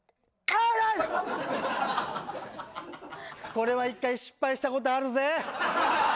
これは１回失敗したことあるぜ。